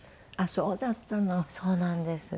そうなんです。